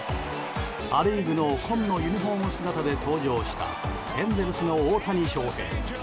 ア・リーグの紺のユニホーム姿で登場したエンゼルスの大谷翔平。